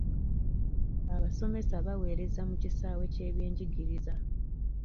Abasomesa bawereza mu kisawe ky'ebyenjigiriza.